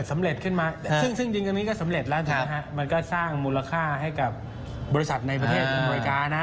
มันก็สร้างมูลค่าให้กับบริษัทในประเทศอเมริกานะ